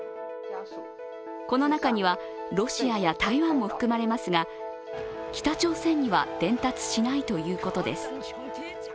この中にはロシアや台湾も含まれますが、北朝鮮には伝達しないということです。